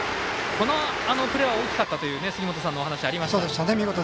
あのプレーは大きかったという杉本さんのお話がありました。